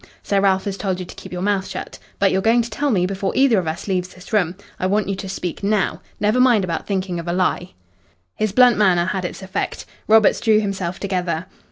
Sir Ralph has told you to keep your mouth shut. But you're going to tell me before either of us leaves this room. I want you to speak now. Never mind about thinking of a lie." His blunt manner had its effect. Roberts drew himself together.